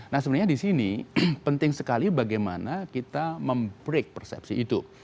nah sebenarnya di sini penting sekali bagaimana kita mem break persepsi itu